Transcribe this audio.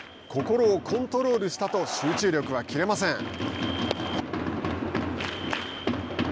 心をコントロールしたと集中力は切れません。